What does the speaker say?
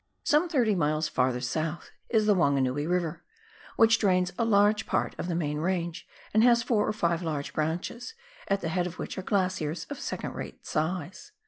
Some thirty miles further south is the Wanganui River, which drains a large part of the main range and has four or five large branches, at the head of which are glaciers of second rate size.